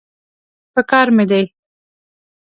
پکار مې دی.